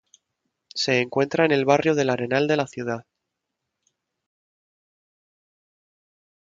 Se encuentra en el barrio del Arenal de la ciudad.